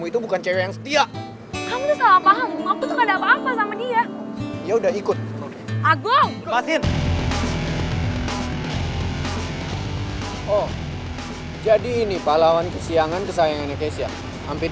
terima kasih that's it